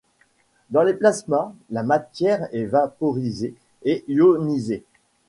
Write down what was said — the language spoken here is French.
Dans les plasmas, la matière est vaporisée et ionisée.